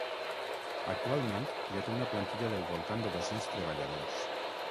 Actualment ja té una plantilla del voltant de dos-cents treballadors.